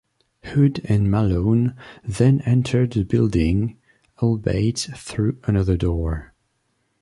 Hood and Malone then entered the building, albeit through another door.